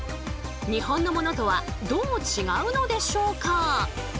日本のものとはどう違うのでしょうか？